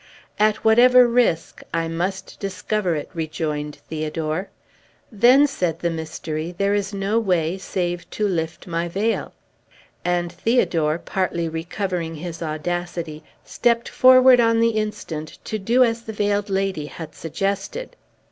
"At whatever risk, I must discover it," rejoined Theodore. "Then," said the Mystery, "there is no way save to lift my veil." And Theodore, partly recovering his audacity, stept forward on the instant, to do as the Veiled Lady had suggested.